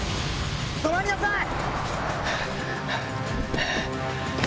止まりなさい！